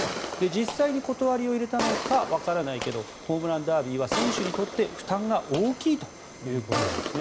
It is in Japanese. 実際に断りを入れたのかわからないけどホームランダービーは選手にとって負担が大きいということなんですね。